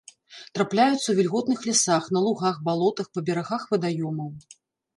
Трапляюцца ў вільготных лясах, на лугах, балотах, па берагах вадаёмаў.